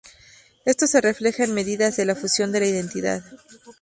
Esto se refleja en medidas de la fusión de la identidad.